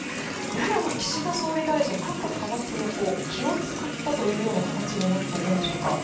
やはり岸田総理大臣各派閥に気を使った形になっているんでしょうか。